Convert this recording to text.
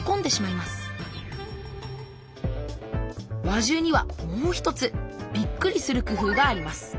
輪中にはもう一つびっくりする工夫があります。